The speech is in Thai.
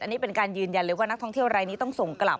อันนี้เป็นการยืนยันเลยว่านักท่องเที่ยวรายนี้ต้องส่งกลับ